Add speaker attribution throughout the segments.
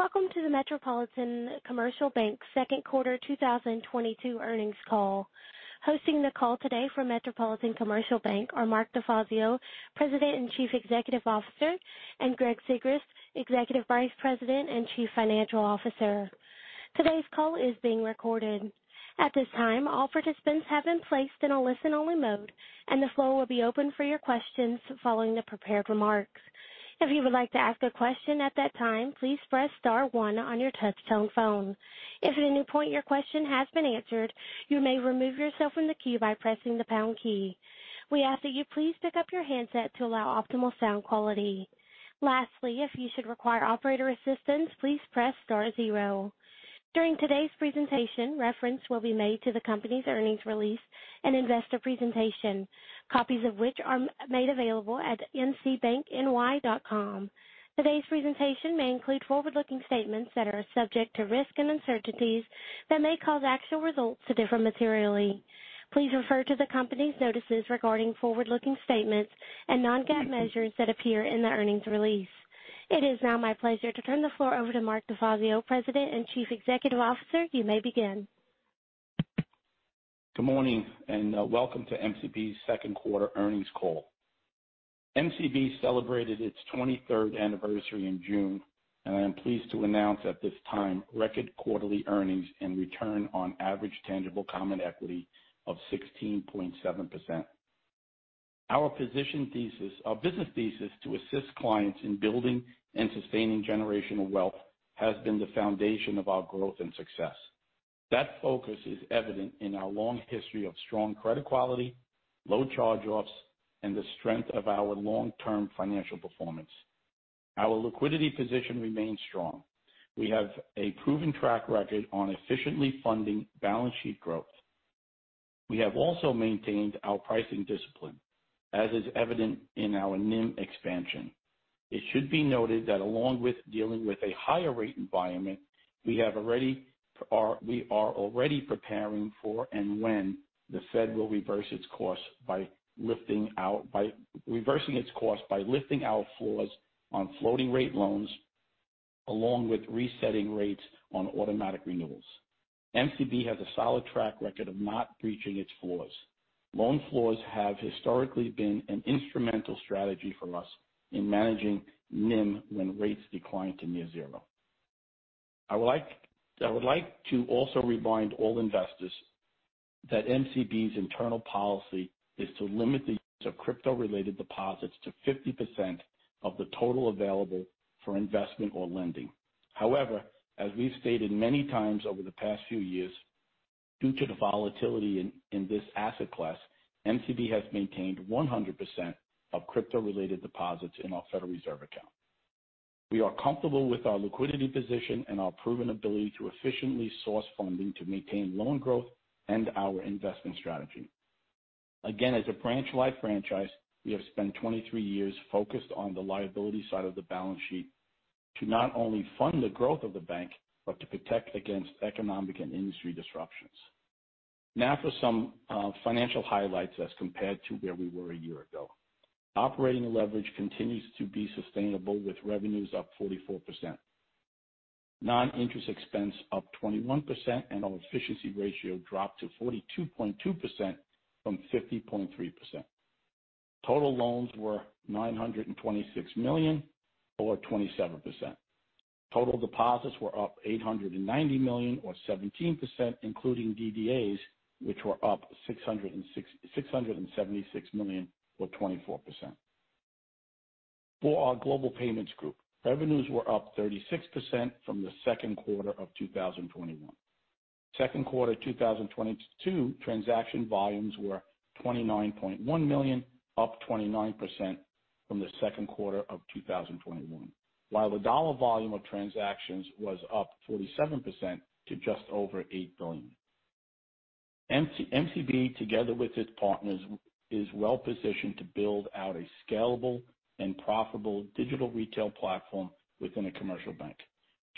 Speaker 1: Welcome to the Metropolitan Commercial Bank second quarter 2022 earnings call. Hosting the call today for Metropolitan Commercial Bank are Mark DeFazio, President and Chief Executive Officer, and Greg Sigrist, Executive Vice President and Chief Financial Officer. Today's call is being recorded. At this time, all participants have been placed in a listen-only mode, and the floor will be open for your questions following the prepared remarks. If you would like to ask a question at that time, please press star one on your touch-tone phone. If at any point your question has been answered, you may remove yourself from the queue by pressing the pound key. We ask that you please pick up your handset to allow optimal sound quality. Lastly, if you should require operator assistance, please press star zero. During today's presentation, reference will be made to the company's earnings release and investor presentation, copies of which are made available at mcbankny.com. Today's presentation may include forward-looking statements that are subject to risks and uncertainties that may cause actual results to differ materially. Please refer to the company's notices regarding forward-looking statements and non-GAAP measures that appear in the earnings release. It is now my pleasure to turn the floor over to Mark DeFazio, President and Chief Executive Officer. You may begin.
Speaker 2: Good morning and welcome to MCB's second quarter earnings call. MCB celebrated its 23rd anniversary in June, and I am pleased to announce at this time record quarterly earnings and return on average tangible common equity of 16.7%. Our business thesis to assist clients in building and sustaining generational wealth has been the foundation of our growth and success. That focus is evident in our long history of strong credit quality, low charge-offs, and the strength of our long-term financial performance. Our liquidity position remains strong. We have a proven track record on efficiently funding balance sheet growth. We have also maintained our pricing discipline, as is evident in our NIM expansion. It should be noted that along with dealing with a higher rate environment, we are already preparing for when the Fed will reverse its course by reversing its course by lifting out floors on floating-rate loans along with resetting rates on automatic renewals. MCB has a solid track record of not breaching its floors. Loan floors have historically been an instrumental strategy for us in managing NIM when rates declined to near zero. I would like to also remind all investors that MCB's internal policy is to limit the use of crypto-related deposits to 50% of the total available for investment or lending. However, as we've stated many times over the past few years, due to the volatility in this asset class, MCB has maintained 100% of crypto-related deposits in our Federal Reserve account. We are comfortable with our liquidity position and our proven ability to efficiently source funding to maintain loan growth and our investment strategy. Again, as a branch-light franchise, we have spent 23 years focused on the liability side of the balance sheet to not only fund the growth of the bank, but to protect against economic and industry disruptions. Now for some financial highlights as compared to where we were a year ago. Operating leverage continues to be sustainable, with revenues up 44%. Non-interest expense up 21% and our efficiency ratio dropped to 42.2% from 50.3%. Total loans were $926 million or 27%. Total deposits were up $890 million or 17%, including DDAs, which were up $676 million or 24%. For our Global Payments Group, revenues were up 36% from the second quarter of 2021. Second quarter 2022 transaction volumes were 29.1 million, up 29% from the second quarter of 2021. While the dollar volume of transactions was up 47% to just over $8 billion. MCB, together with its partners, is well positioned to build out a scalable and profitable digital retail platform within a commercial bank.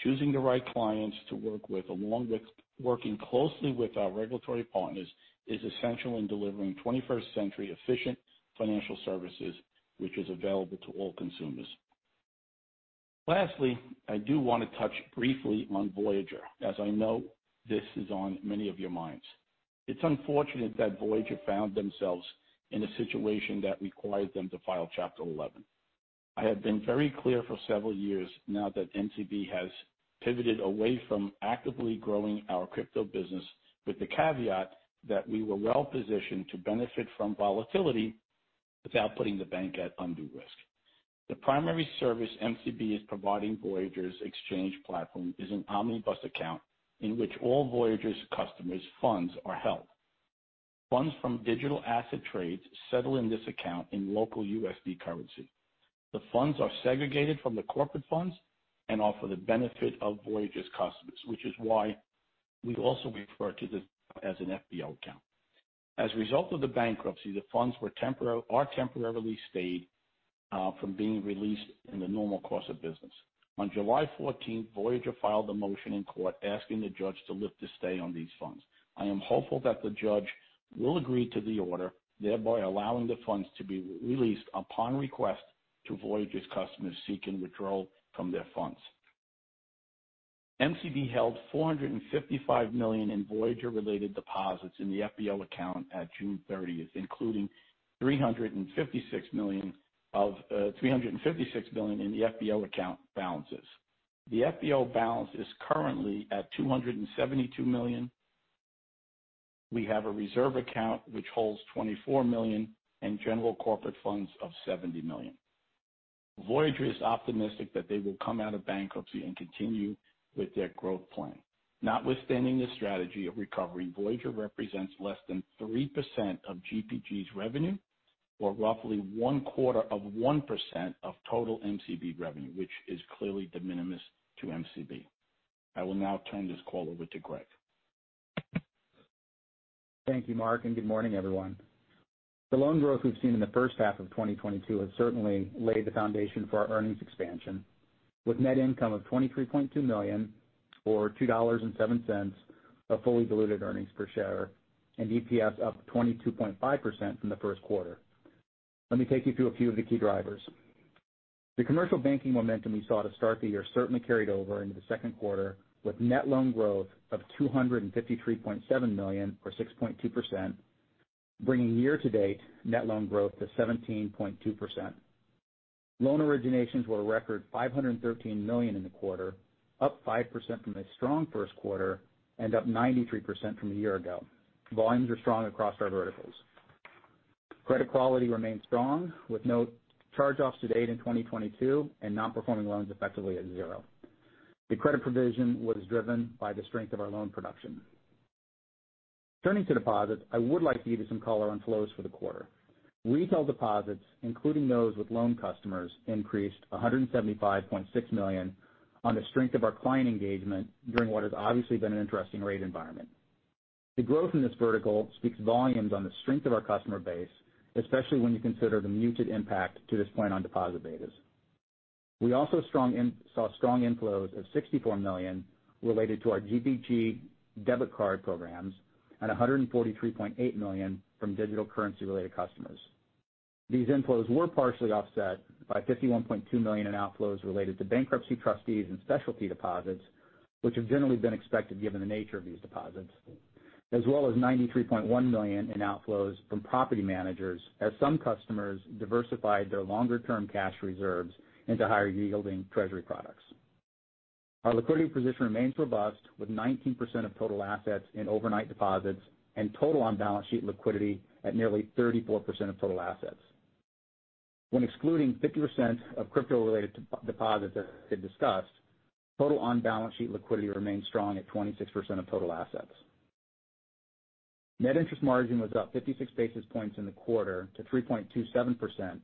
Speaker 2: Choosing the right clients to work with, along with working closely with our regulatory partners, is essential in delivering 21st century efficient financial services, which is available to all consumers. Lastly, I do want to touch briefly on Voyager, as I know this is on many of your minds. It's unfortunate that Voyager found themselves in a situation that required them to file Chapter 11. I have been very clear for several years now that MCB has pivoted away from actively growing our crypto business, with the caveat that we were well positioned to benefit from volatility without putting the bank at undue risk. The primary service MCB is providing Voyager's exchange platform is an omnibus account in which all Voyager's customers' funds are held. Funds from digital asset trades settle in this account in local USD currency. The funds are segregated from the corporate funds and offer the benefit of Voyager's customers, which is why we also refer to this as an FBO account. As a result of the bankruptcy, the funds are temporarily stayed from being released in the normal course of business. On July fourteenth, Voyager filed a motion in court asking the judge to lift the stay on these funds. I am hopeful that the judge will agree to the order, thereby allowing the funds to be released upon request to Voyager's customers seeking withdrawal from their funds. MCB held $455 million in Voyager related deposits in the FBO account at June 30th including $356 million of in the FBO account balances. The FBO balance is currently at $272 million. We have a reserve account which holds $24 million and general corporate funds of $70 million. Voyager is optimistic that they will come out of bankruptcy and continue with their growth plan. Notwithstanding the strategy of recovery, Voyager represents less than 3% of GPG's revenue or roughly 0.25% of total MCB revenue, which is clearly de minimis to MCB. I will now turn this call over to Greg.
Speaker 3: Thank you, Mark, and good morning, everyone. The loan growth we've seen in the first half of 2022 has certainly laid the foundation for our earnings expansion, with net income of $23.2 million or $2.07 fully diluted earnings per share and EPS up 22.5% from the first quarter. Let me take you through a few of the key drivers. The commercial banking momentum we saw to start the year certainly carried over into the second quarter with net loan growth of $253.7 million or 6.2%, bringing year-to-date net loan growth to 17.2%. Loan originations were a record $513 million in the quarter, up 5% from a strong first quarter and up 93% from a year ago. Volumes are strong across our verticals. Credit quality remains strong with no charge-offs to date in 2022 and non-performing loans effectively at zero. The credit provision was driven by the strength of our loan production. Turning to deposits, I would like to give you some color on flows for the quarter. Retail deposits, including those with loan customers, increased $175.6 million on the strength of our client engagement during what has obviously been an interesting rate environment. The growth in this vertical speaks volumes on the strength of our customer base, especially when you consider the muted impact to this point on deposit betas. We saw strong inflows of $64 million related to our GPG debit card programs and $143.8 million from digital currency related customers. These inflows were partially offset by $51.2 million in outflows related to bankruptcy trustees and specialty deposits, which have generally been expected given the nature of these deposits, as well as $93.1 million in outflows from property managers as some customers diversified their longer term cash reserves into higher yielding treasury products. Our liquidity position remains robust with 19% of total assets in overnight deposits and total on balance sheet liquidity at nearly 34% of total assets. When excluding 50% of crypto related deposits as I discussed, total on balance sheet liquidity remains strong at 26% of total assets. Net interest margin was up 56 basis points in the quarter to 3.27%,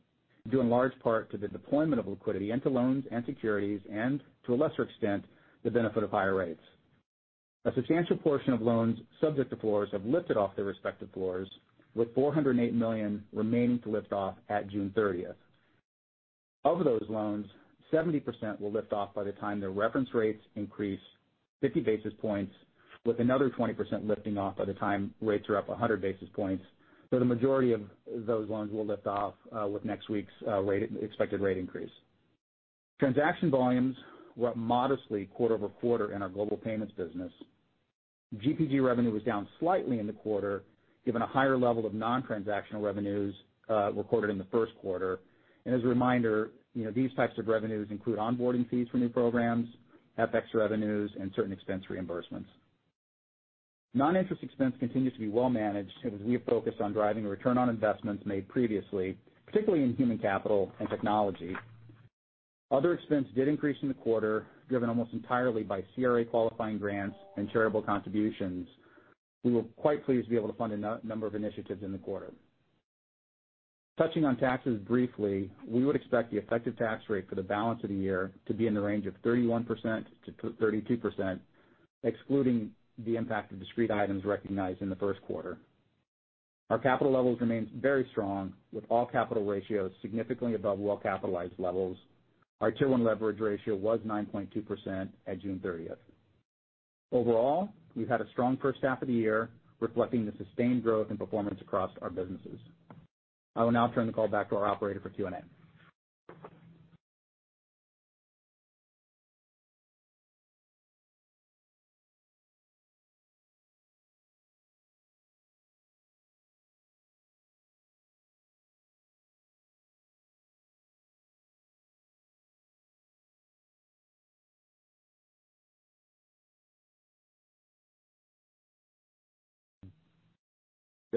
Speaker 3: due in large part to the deployment of liquidity into loans and securities and to a lesser extent, the benefit of higher rates. A substantial portion of loans subject to floors have lifted off their respective floors, with $408 million remaining to lift off at June 30. Of those loans, 70% will lift off by the time their reference rates increase 50 basis points, with another 20% lifting off by the time rates are up 100 basis points. The majority of those loans will lift off with next week's expected rate increase. Transaction volumes were up modestly quarter-over-quarter in our global payments business. GPG revenue was down slightly in the quarter, given a higher level of non-transactional revenues recorded in the first quarter. As a reminder, you know, these types of revenues include onboarding fees for new programs, FX revenues, and certain expense reimbursements. Non-interest expense continues to be well managed as we have focused on driving return on investments made previously, particularly in human capital and technology. Other expense did increase in the quarter, driven almost entirely by CRA qualifying grants and charitable contributions. We were quite pleased to be able to fund a number of initiatives in the quarter. Touching on taxes briefly, we would expect the effective tax rate for the balance of the year to be in the range of 31%-32%, excluding the impact of discrete items recognized in the first quarter. Our capital levels remain very strong, with all capital ratios significantly above well-capitalized levels. Our Tier One leverage ratio was 9.2% at June 30. Overall, we've had a strong first half of the year reflecting the sustained growth and performance across our businesses. I will now turn the call back to our operator for Q&A. Bear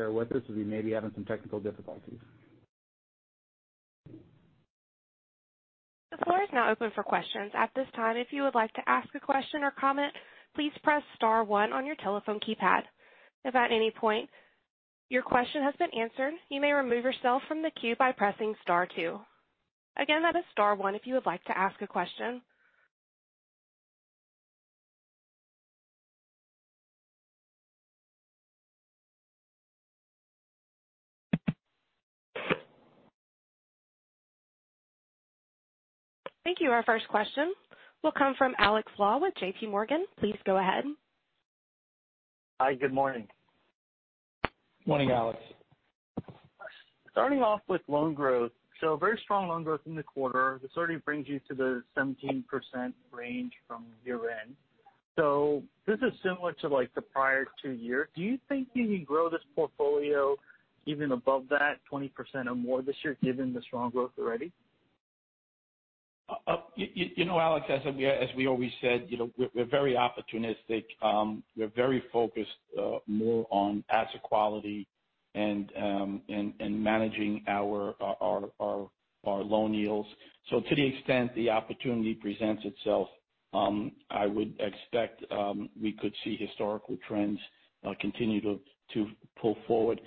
Speaker 3: with us as we may be having some technical difficulties.
Speaker 1: The floor is now open for questions. At this time, if you would like to ask a question or comment, please press star one on your telephone keypad. If at any point your question has been answered, you may remove yourself from the queue by pressing star two. Again, that is star one if you would like to ask a question. Thank you. Our first question will come from Alex Lau with JPMorgan. Please go ahead.
Speaker 4: Hi, good morning.
Speaker 3: Morning, Alex.
Speaker 4: Starting off with loan growth. Very strong loan growth in the quarter. This already brings you to the 17% range from year-end. This is similar to, like, the prior two years. Do you think you can grow this portfolio even above that 20% or more this year, given the strong growth already?
Speaker 2: You know, Alex, as we always said, you know, we're very opportunistic. We're very focused more on asset quality and managing our loan yields. To the extent the opportunity presents itself, I would expect we could see historical trends continue to pull forward.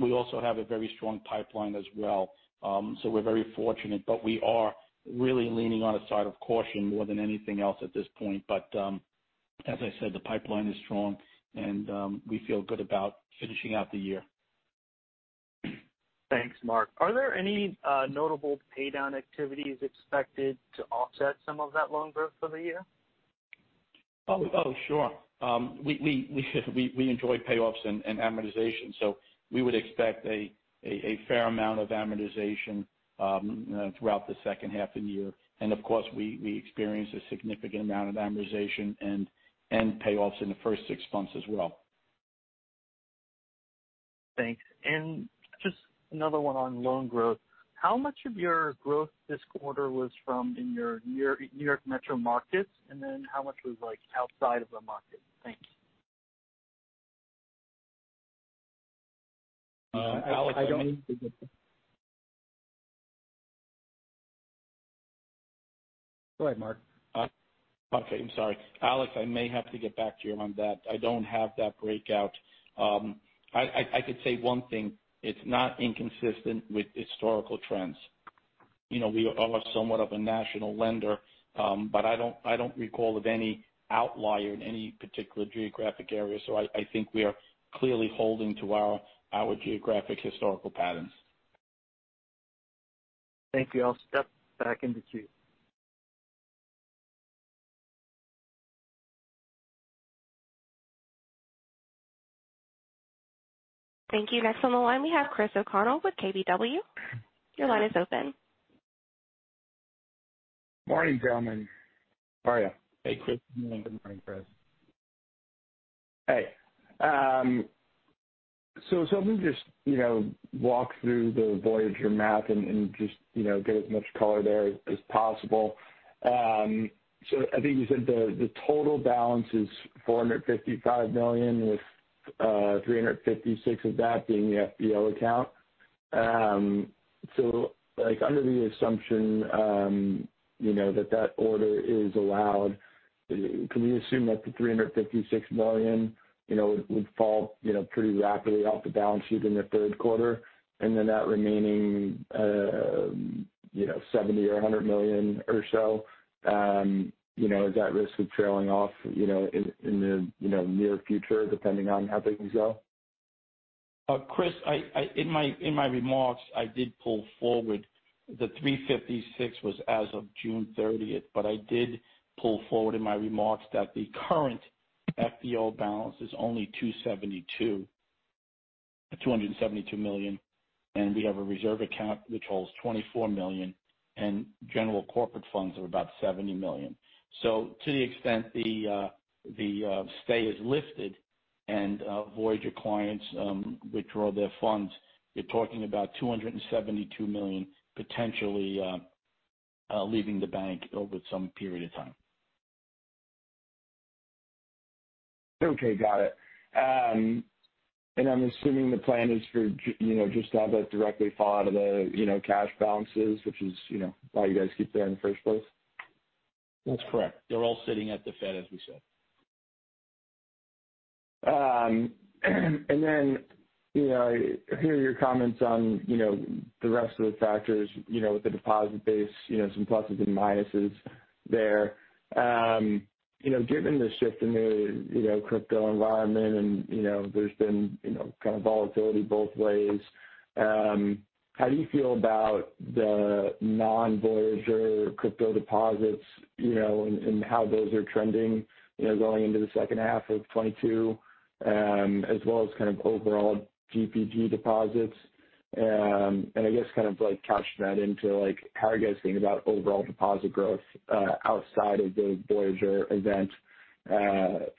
Speaker 2: We also have a very strong pipeline as well. We're very fortunate, but we are really erring on the side of caution more than anything else at this point. As I said, the pipeline is strong and we feel good about finishing out the year.
Speaker 4: Thanks, Mark. Are there any notable paydown activities expected to offset some of that loan growth for the year?
Speaker 2: Sure. We enjoy payoffs and amortization, so we would expect a fair amount of amortization throughout the second half of the year. Of course, we experience a significant amount of amortization and payoffs in the first six months as well.
Speaker 4: Thanks. Just another one on loan growth. How much of your growth this quarter was from in your New York metro markets, and then how much was, like, outside of the market? Thank you.
Speaker 2: Alex, I may-
Speaker 4: Go ahead, Mark.
Speaker 2: Okay. I'm sorry. Alex, I may have to get back to you on that. I don't have that breakout. I could say one thing. It's not inconsistent with historical trends. You know, we are somewhat of a national lender, but I don't recall any outlier in any particular geographic area. I think we are clearly holding to our geographic historical patterns.
Speaker 4: Thank you. I'll step back in the queue.
Speaker 1: Thank you. Next on the line we have Christopher O'Connell with KBW. Your line is open.
Speaker 5: Morning, good morning. How are you?
Speaker 3: Hey, Chris. Good morning, Chris.
Speaker 5: Hey. Let me just, you know, walk through the Voyager math and just, you know, get as much color there as possible. I think you said the total balance is $455 million, with $356 of that being the FBO account. Like, under the assumption, you know, that order is allowed, can we assume that the $356 million, you know, would fall, you know, pretty rapidly off the balance sheet in the third quarter, and then that remaining, you know, $70 million or $100 million or so, you know, is at risk of trailing off, you know, in the near future, depending on how things go?
Speaker 2: Chris, in my remarks, I did pull forward the $356 million was as of June thirtieth, but I did pull forward in my remarks that the current FBO balance is only 272, $272 million, and we have a reserve account which holds $24 million, and general corporate funds are about $70 million. To the extent the stay is lifted and Voyager clients withdraw their funds, you're talking about $272 million potentially leaving the bank over some period of time.
Speaker 5: Okay. Got it. I'm assuming the plan is for, you know, just to have that directly fall out of the, you know, cash balances, which is, you know, why you guys keep them there in the first place.
Speaker 2: That's correct. They're all sitting at the Fed, as we said.
Speaker 5: you know, I hear your comments on, you know, the rest of the factors, you know, with the deposit base, you know, some pluses and minuses there. you know, given the shift in the, you know, crypto environment and, you know, there's been, you know, kind of volatility both ways, how do you feel about the non-Voyager crypto deposits, you know, and how those are trending, you know, going into the second half of 2022, as well as kind of overall GPG deposits? I guess kind of like couching that into, like, how are you guys thinking about overall deposit growth, for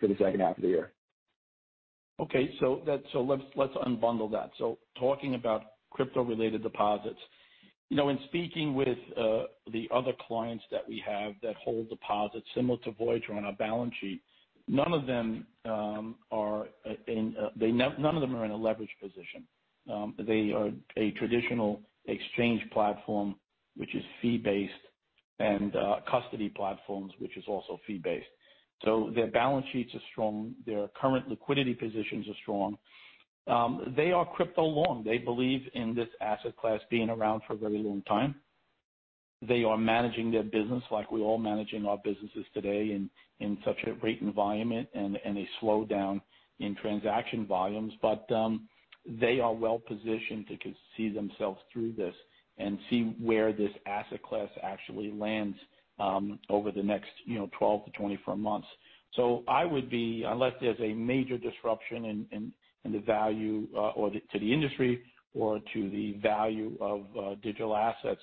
Speaker 5: the second half of the year?
Speaker 2: Let's unbundle that. Talking about crypto-related deposits. You know, in speaking with the other clients that we have that hold deposits similar to Voyager on our balance sheet, none of them are in a leveraged position. They are a traditional exchange platform which is fee based and custody platforms, which is also fee based. Their balance sheets are strong, their current liquidity positions are strong. They are crypto long. They believe in this asset class being around for a very long time. They are managing their business like we're all managing our businesses today in such a rate environment and a slowdown in transaction volumes. They are well positioned to see themselves through this and see where this asset class actually lands, over the next, you know, 12-24 months. I would be unless there's a major disruption in the value or to the industry or to the value of digital assets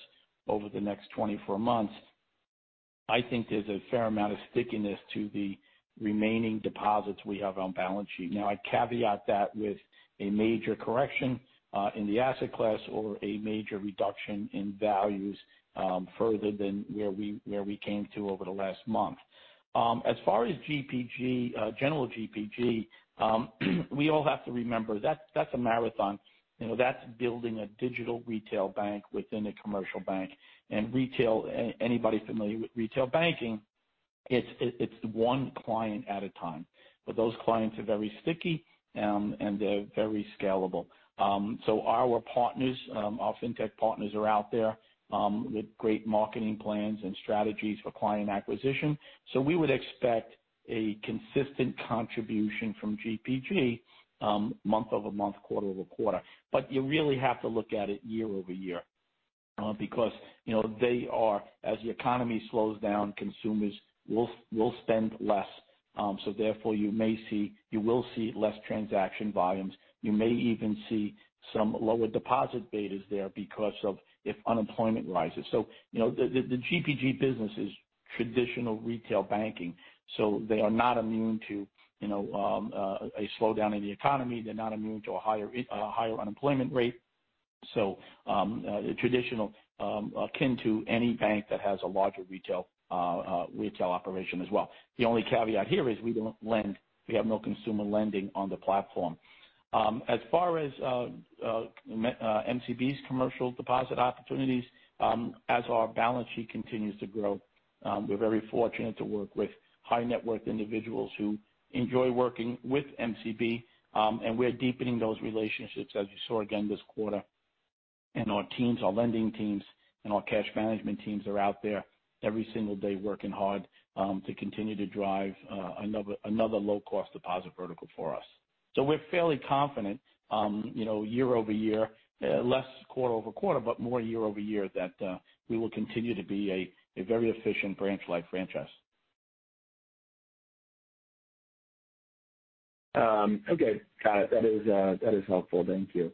Speaker 2: over the next 24 months. I think there's a fair amount of stickiness to the remaining deposits we have on balance sheet. Now, I caveat that with a major correction in the asset class or a major reduction in values, further than where we came to over the last month. As far as GPG, general GPG, we all have to remember that's a marathon. You know, that's building a digital retail bank within a commercial bank. Retail -- anybody familiar with retail banking, it's one client at a time. Those clients are very sticky, and they're very scalable. Our partners, our fintech partners are out there with great marketing plans and strategies for client acquisition. We would expect a consistent contribution from GPG month-over-month, quarter-over-quarter. You really have to look at it year-over-year because, you know, they are -- as the economy slows down, consumers will spend less. Therefore you may see, you will see less transaction volumes. You may even see some lower deposit betas there because if unemployment rises. You know, the GPG business is traditional retail banking, so they are not immune to a slowdown in the economy. They're not immune to a higher unemployment rate. Traditional akin to any bank that has a larger retail operation as well. The only caveat here is we don't lend. We have no consumer lending on the platform. As far as MCB's commercial deposit opportunities, as our balance sheet continues to grow, we're very fortunate to work with high net worth individuals who enjoy working with MCB. We're deepening those relationships as you saw again this quarter. Our teams, our lending teams and our cash management teams are out there every single day working hard to continue to drive another low-cost deposit vertical for us. We're fairly confident, you know, year-over-year, less quarter-over-quarter, but more year-over-year, that we will continue to be a very efficient branch-like franchise.
Speaker 5: Okay. Got it. That is helpful. Thank you.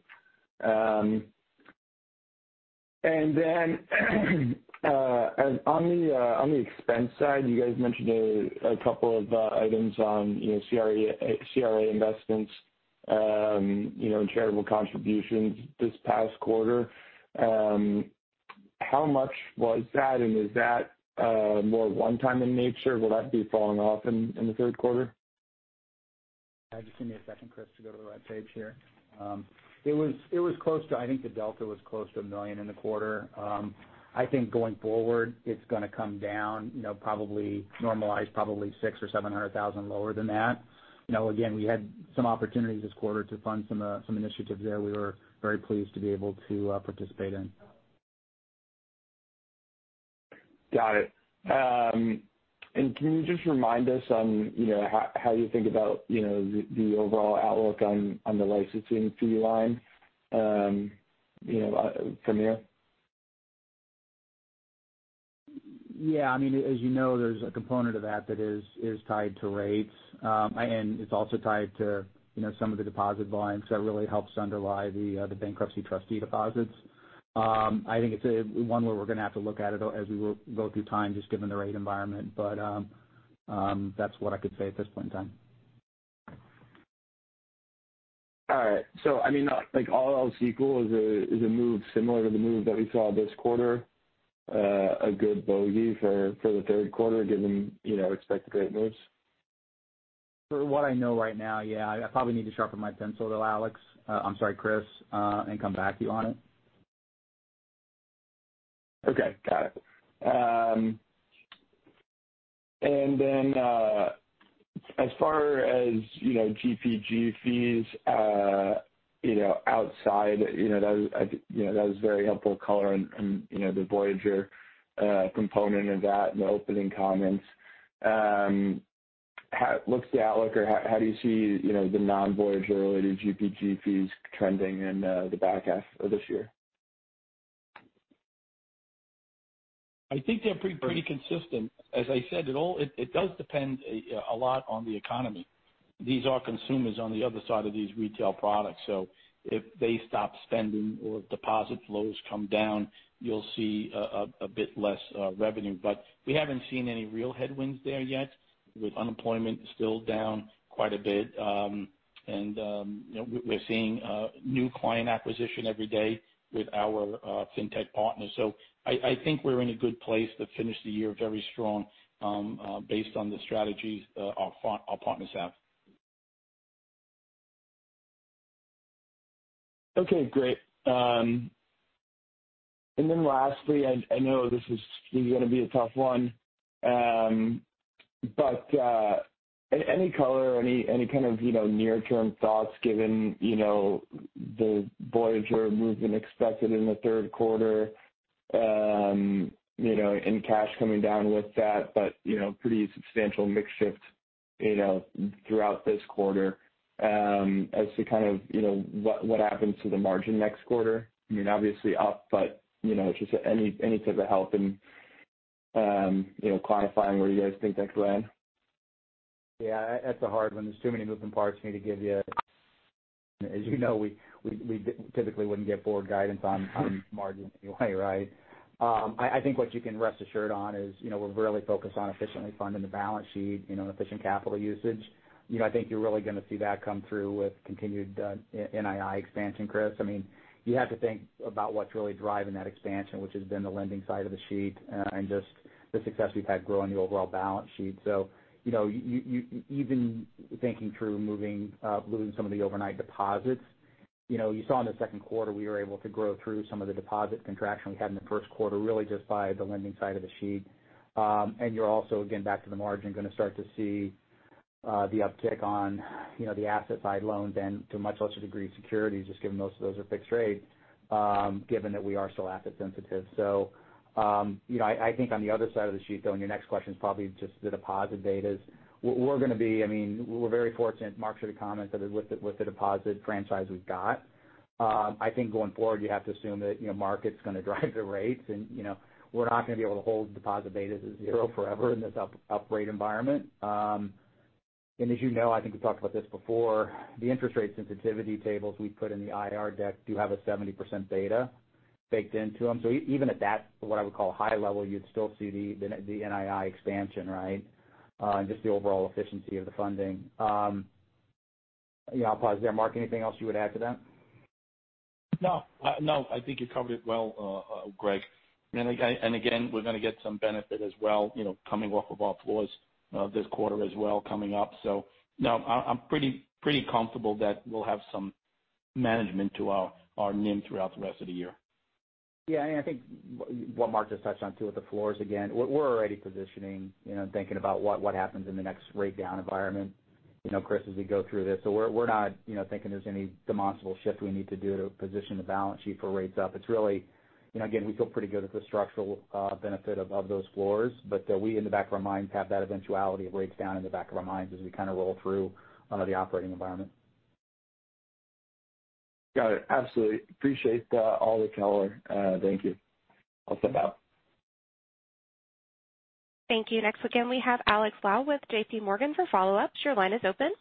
Speaker 5: On the expense side, you guys mentioned a couple of items on, you know, CRA investments, you know, and charitable contributions this past quarter. How much was that? Is that more one-time in nature? Will that be falling off in the third quarter?
Speaker 3: Just give me a second, Chris, to go to the right page here. It was close to. I think the delta was close to $1 million in the quarter. I think going forward it's gonna come down, you know, probably normalize $600,000 or $700,000 lower than that. You know, again, we had some opportunities this quarter to fund some initiatives there we were very pleased to be able to participate in.
Speaker 5: Got it. Can you just remind us on, you know, how you think about, you know, the overall outlook on the licensing fee line, you know, from here?
Speaker 3: Yeah. I mean, as you know, there's a component of that that is tied to rates. It's also tied to, you know, some of the deposit volumes that really helps underlie the bankruptcy trustee deposits. I think it's a one where we're gonna have to look at it as we go through time, just given the rate environment. That's what I could say at this point in time.
Speaker 5: All right. I mean, like, all else equal, is a move similar to the move that we saw this quarter a good bogey for the third quarter given, you know, expected rate moves?
Speaker 3: From what I know right now, yeah. I probably need to sharpen my pencil though, Alex, I'm sorry, Chris, and come back to you on it.
Speaker 5: Okay. Got it. As far as, you know, GPG fees, you know, outside, you know, that was a very helpful color on you know, the Voyager component of that in the opening comments. How? What's the outlook or how do you see, you know, the non-Voyager-related GPG fees trending in the back half of this year?
Speaker 2: I think they're pretty consistent. As I said, it does depend a lot on the economy. These are consumers on the other side of these retail products, so if they stop spending or deposit flows come down, you'll see a bit less revenue. But we haven't seen any real headwinds there yet with unemployment still down quite a bit. You know, we're seeing new client acquisition every day with our fintech partners. I think we're in a good place to finish the year very strong based on the strategies our partners have.
Speaker 5: Okay, great. Lastly, I know this is gonna be a tough one. Any color, any kind of, you know, near-term thoughts given, you know, the Voyager movement expected in the third quarter, and cash coming down with that, but, you know, pretty substantial mix shift, you know, throughout this quarter, as to kind of, you know, what happens to the margin next quarter? I mean, obviously up, but, you know, just any type of help in, you know, clarifying where you guys think that could land.
Speaker 3: Yeah, that's a hard one. There's too many moving parts for me to give you. As you know, we typically wouldn't give forward guidance on margin anyway, right? I think what you can rest assured on is, you know, we're really focused on efficiently funding the balance sheet, you know, and efficient capital usage. You know, I think you're really going to see that come through with continued NII expansion, Chris. I mean, you have to think about what's really driving that expansion, which has been the lending side of the sheet and just the success we've had growing the overall balance sheet. You know, you even thinking through moving, losing some of the overnight deposits, you know, you saw in the second quarter, we were able to grow through some of the deposit contraction we had in the first quarter, really just by the lending side of the sheet. You're also, again, back to the margin, going to start to see the uptick on, you know, the asset side loans and to a much lesser degree, securities, just given most of those are fixed rate, given that we are so asset sensitive. You know, I think on the other side of the sheet, though, and your next question is probably just the deposit betas. We're going to be. I mean, we're very fortunate. Mark should have commented with the deposit franchise we've got. I think going forward you have to assume that, you know, market's going to drive the rates and, you know, we're not going to be able to hold deposit betas at zero forever in this up rate environment. As you know, I think we talked about this before, the interest rate sensitivity tables we put in the IR deck do have a 70% beta baked into them. Even at that, what I would call high level, you'd still see the NII expansion, right? Just the overall efficiency of the funding. You know, I'll pause there. Mark, anything else you would add to that?
Speaker 2: No, I think you covered it well, Greg. Again, we're going to get some benefit as well, you know, coming off of our floors this quarter as well coming up. No, I'm pretty comfortable that we'll have some management to our NIM throughout the rest of the year.
Speaker 3: Yeah. I think what Mark just touched on too, with the floors again, we're already positioning, you know, thinking about what happens in the next rate down environment, you know, Chris, as we go through this. We're not, you know, thinking there's any demonstrable shift we need to do to position the balance sheet for rates up. It's really, you know, again, we feel pretty good with the structural benefit of those floors. We in the back of our minds have that eventuality of rates down in the back of our minds as we kind of roll through the operating environment.
Speaker 5: Got it. Absolutely. Appreciate all the color. Thank you.
Speaker 3: I'll send it out.
Speaker 1: Thank you. Next, again, we have Alex Lau with JPMorgan for follow-ups. Your line is open.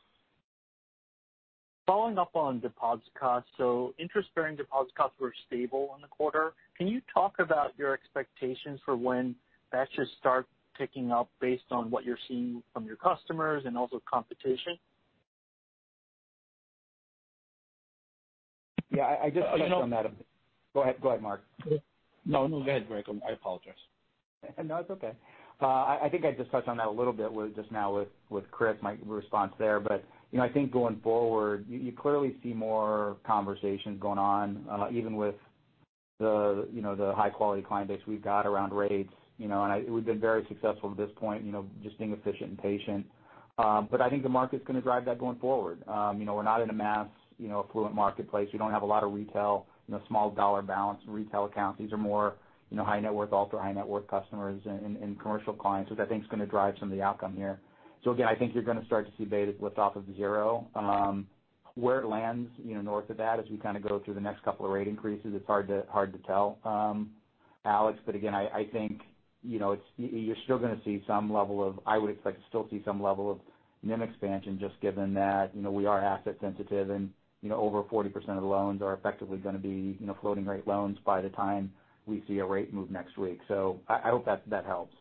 Speaker 4: Following up on deposit costs. Interest bearing deposit costs were stable in the quarter. Can you talk about your expectations for when that should start picking up based on what you're seeing from your customers and also competition?
Speaker 3: Yeah, I just touched on that.
Speaker 2: You know.
Speaker 3: Go ahead, Mark.
Speaker 2: No, no, go ahead, Greg. I apologize.
Speaker 3: No, it's okay. I think I just touched on that a little bit with Chris, my response there. You know, I think going forward, you clearly see more conversations going on, even with the, you know, the high quality client base we've got around rates. You know, we've been very successful to this point, you know, just being efficient and patient. I think the market's going to drive that going forward. You know, we're not in a mass, you know, affluent marketplace. We don't have a lot of retail, you know, small dollar balance retail accounts. These are more, you know, high net worth, ultra high net worth customers and commercial clients, which I think is going to drive some of the outcome here. Again, I think you're going to start to see betas lift off of zero. Where it lands, you know, north of that as we kind of go through the next couple of rate increases, it's hard to tell, Alex. Again, I think, you know, I would expect to still see some level of NIM expansion just given that, you know, we are asset sensitive and, you know, over 40% of the loans are effectively going to be, you know, floating rate loans by the time we see a rate move next week. I hope that helps.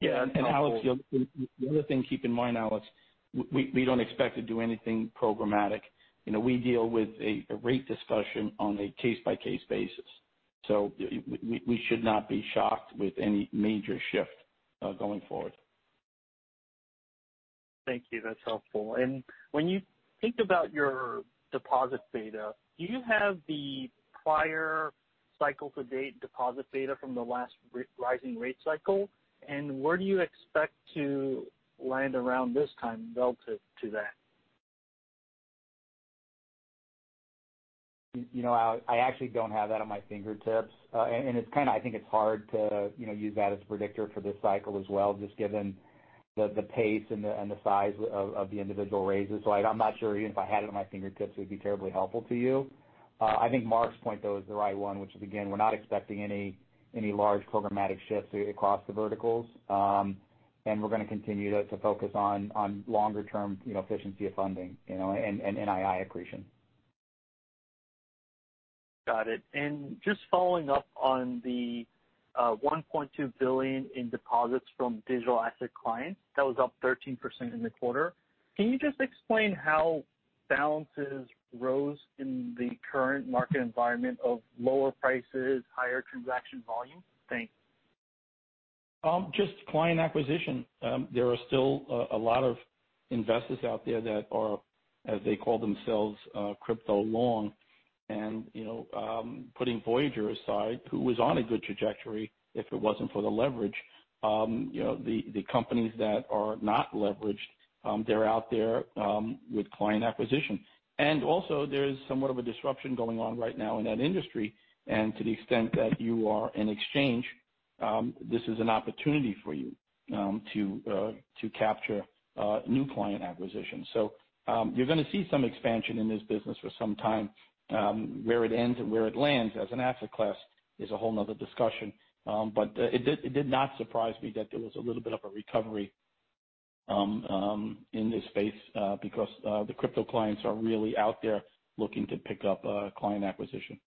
Speaker 2: Yeah. Alex, the other thing to keep in mind, Alex, we don't expect to do anything programmatic. You know, we deal with a rate discussion on a case by case basis. We should not be shocked with any major shift going forward.
Speaker 4: Thank you. That's helpful. When you think about your deposit beta, do you have the prior cycle to date deposit beta from the last rising rate cycle? Where do you expect to land around this time relative to that?
Speaker 3: You know, Alex, I actually don't have that on my fingertips. It's kind of I think it's hard to, you know, use that as a predictor for this cycle as well, just given the pace and the size of the individual raises. I'm not sure even if I had it on my fingertips, it would be terribly helpful to you. I think Mark's point though is the right one, which is, again, we're not expecting any large programmatic shifts across the verticals. We're going to continue to focus on longer term, you know, efficiency of funding, you know, and NII accretion.
Speaker 4: Got it. Just following up on the $1.2 billion in deposits from digital asset clients, that was up 13% in the quarter. Can you just explain how balances rose in the current market environment of lower prices, higher transaction volume? Thanks.
Speaker 2: Just client acquisition. There are still a lot of investors out there that are, as they call themselves, crypto long. You know, putting Voyager aside, who was on a good trajectory if it wasn't for the leverage, you know, the companies that are not leveraged, they're out there with client acquisition. Also there is somewhat of a disruption going on right now in that industry. To the extent that you are in exchange, this is an opportunity for you to capture new client acquisitions. You're going to see some expansion in this business for some time. Where it ends and where it lands as an asset class is a whole nother discussion. It did not surprise me that there was a little bit of a recovery in this space, because the crypto clients are really out there looking to pick up client acquisition.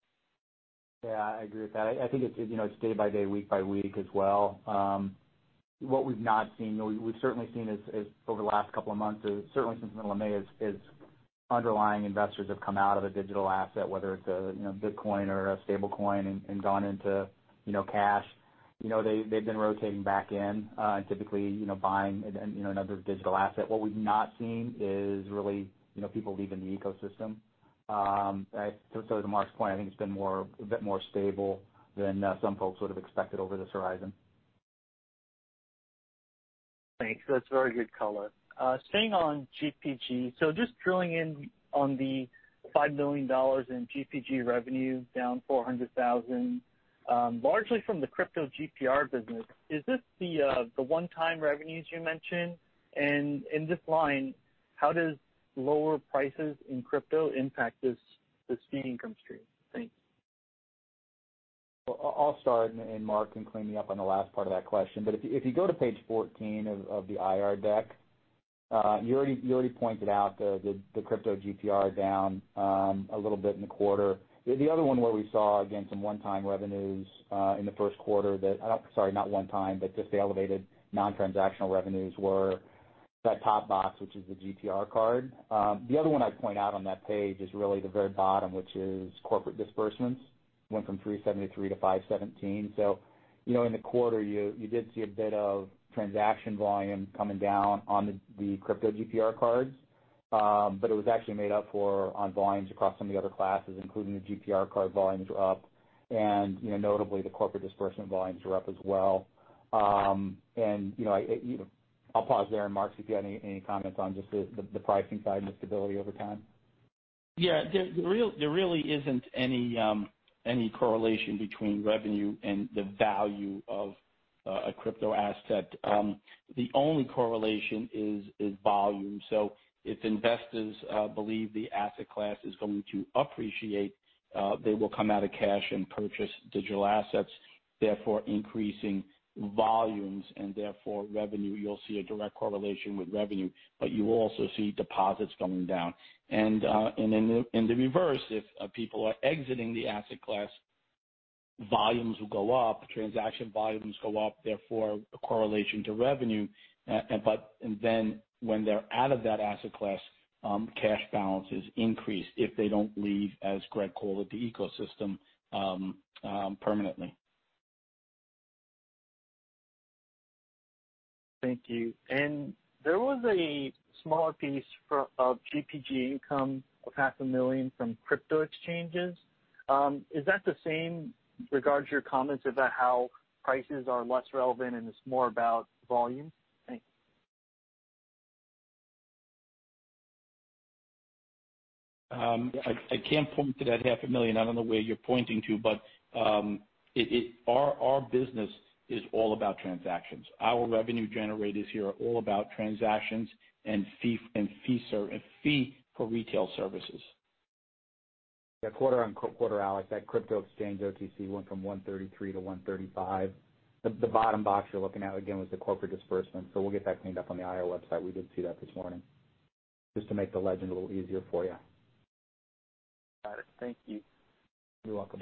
Speaker 3: Yeah, I agree with that. I think it's, you know, it's day by day, week by week as well. What we've certainly seen is, over the last couple of months, certainly since the middle of May, underlying investors have come out of a digital asset, whether it's, you know, Bitcoin or a stablecoin and gone into, you know, cash. You know, they've been rotating back in, and typically, you know, buying, you know, another digital asset. What we've not seen is really, you know, people leaving the ecosystem. So to Mark's point, I think it's been a bit more stable than some folks would have expected over this horizon.
Speaker 4: Thanks. That's very good color. Staying on GPG. Just drilling in on the $5 million in GPG revenue, down $400,000, largely from the crypto GPR business. Is this the one-time revenues you mentioned? And in this line, how does lower prices in crypto impact this fee income stream? Thanks.
Speaker 3: I'll start and Mark can clean me up on the last part of that question. If you go to page 14 of the IR deck, you already pointed out the crypto GPR down a little bit in the quarter. The other one where we saw again some one-time revenues in the first quarter. Sorry, not one time, but just the elevated non-transactional revenues were that top box, which is the GPR card. The other one I'd point out on that page is really the very bottom, which is corporate disbursements. Went from $373 to $517. You know, in the quarter you did see a bit of transaction volume coming down on the crypto GPR cards. It was actually made up for on volumes across some of the other classes, including the GPR card volumes were up and, you know, notably the corporate disbursements volumes were up as well. I'll pause there and Mark, if you've got any comments on just the pricing side and the stability over time.
Speaker 2: Yeah. There really isn't any correlation between revenue and the value of a crypto asset. The only correlation is volume. If investors believe the asset class is going to appreciate, they will come out of cash and purchase digital assets, therefore increasing volumes and therefore revenue. You'll see a direct correlation with revenue, but you will also see deposits coming down. In the reverse, if people are exiting the asset class, volumes will go up, transaction volumes go up, therefore a correlation to revenue. Then when they're out of that asset class, cash balances increase if they don't leave, as Greg called it, the ecosystem, permanently.
Speaker 4: Thank you. There was a smaller piece of GPG income of $ half a million from crypto exchanges. Is that the same regard as your comments about how prices are less relevant and it's more about volume? Thanks.
Speaker 2: I can't point to that half a million. I don't know where you're pointing to, but our business is all about transactions. Our revenue generators here are all about transactions and fee for retail services.
Speaker 3: Yeah. Quarter-over-quarter, Alex, that crypto exchange OTC went from $133-$135. The bottom box you're looking at again was the corporate disbursement. We'll get that cleaned up on the IR website. We did see that this morning. Just to make the legend a little easier for you.
Speaker 4: Got it. Thank you.
Speaker 3: You're welcome.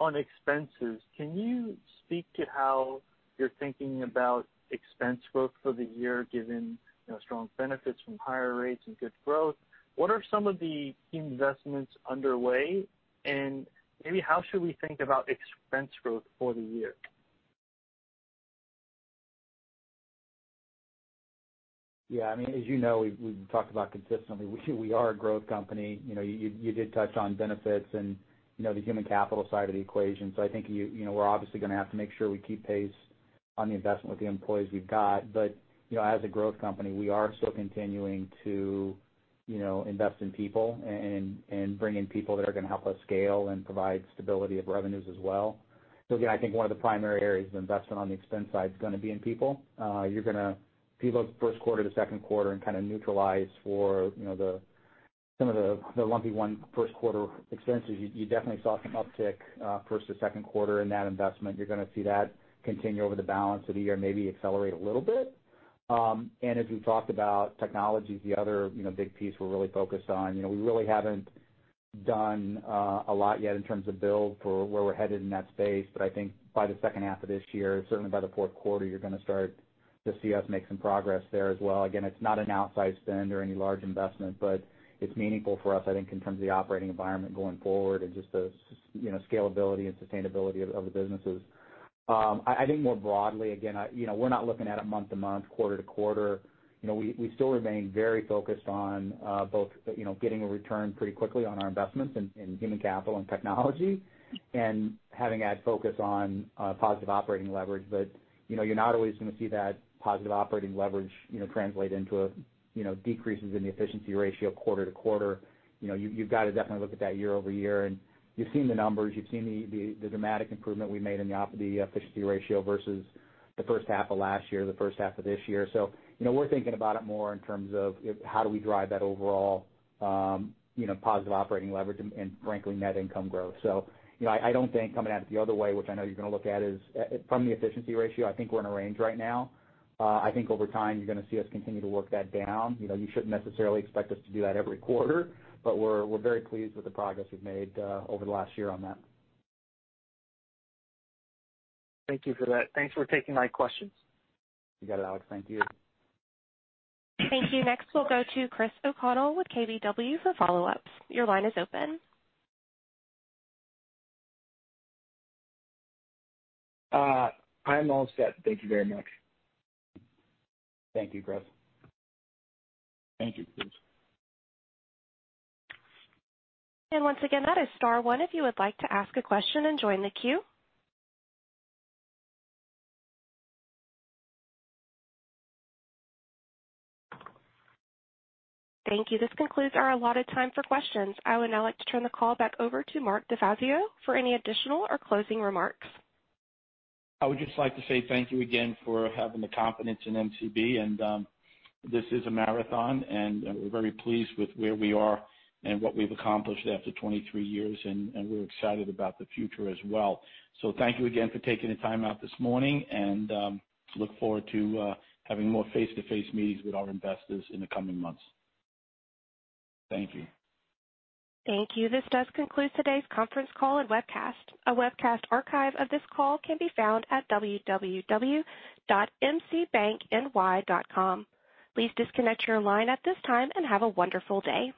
Speaker 4: On expenses, can you speak to how you're thinking about expense growth for the year, given, you know, strong benefits from higher rates and good growth? What are some of the key investments underway? Maybe how should we think about expense growth for the year?
Speaker 3: Yeah, I mean, as you know, we've talked about consistently, we are a growth company. You know, you did touch on benefits and, you know, the human capital side of the equation. I think you know, we're obviously going to have to make sure we keep pace on the investment with the employees we've got. You know, as a growth company, we are still continuing to, you know, invest in people and bring in people that are going to help us scale and provide stability of revenues as well. Again, I think one of the primary areas of investment on the expense side is going to be in people. If you look first quarter to second quarter and kind of neutralize for, you know, the lumpy one first quarter expenses, you definitely saw some uptick first to second quarter in that investment. You're gonna see that continue over the balance of the year, maybe accelerate a little bit. As we've talked about technology, the other, you know, big piece we're really focused on. You know, we really haven't done a lot yet in terms of build for where we're headed in that space. I think by the second half of this year, certainly by the fourth quarter, you're gonna see us make some progress there as well. Again, it's not an outsized spend or any large investment, but it's meaningful for us I think in terms of the operating environment going forward and just the, you know, scalability and sustainability of the businesses. I think more broadly, again, you know, we're not looking at it month-to-month, quarter-to-quarter. You know, we still remain very focused on both, you know, getting a return pretty quickly on our investments in human capital and technology and having that focus on positive operating leverage. But, you know, you're not always gonna see that positive operating leverage, you know, translate into, you know, decreases in the efficiency ratio quarter-to-quarter. You know, you've got to definitely look at that year-over-year. You've seen the numbers, you've seen the dramatic improvement we made in the efficiency ratio versus the first half of last year, the first half of this year. You know, we're thinking about it more in terms of how do we drive that overall, you know, positive operating leverage and frankly, net income growth. You know, I don't think coming at it the other way, which I know you're going to look at is from the efficiency ratio. I think we're in a range right now. I think over time you're gonna see us continue to work that down. You know, you shouldn't necessarily expect us to do that every quarter, but we're very pleased with the progress we've made over the last year on that.
Speaker 4: Thank you for that. Thanks for taking my questions.
Speaker 3: You got it, Alex. Thank you.
Speaker 1: Thank you. Next, we'll go to Christopher O'Connell with KBW for follow-ups. Your line is open.
Speaker 5: I'm all set. Thank you very much.
Speaker 3: Thank you, Chris.
Speaker 5: Thank you.
Speaker 1: Once again, that is star one if you would like to ask a question and join the queue. Thank you. This concludes our allotted time for questions. I would now like to turn the call back over to Mark DeFazio for any additional or closing remarks.
Speaker 2: I would just like to say thank you again for having the confidence in MCB. This is a marathon, and we're very pleased with where we are and what we've accomplished after 23 years, and we're excited about the future as well. Thank you again for taking the time out this morning and look forward to having more face-to-face meetings with our investors in the coming months. Thank you.
Speaker 1: Thank you. This does conclude today's conference call and webcast. A webcast archive of this call can be found at www.mcbankny.com. Please disconnect your line at this time and have a wonderful day.